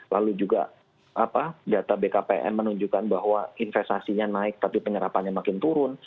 lalu juga data bkpm menunjukkan bahwa investasinya naik tapi penyerapannya makin turun